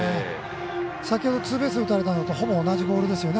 先ほどツーベース打たれたのとほぼ同じボールですよね。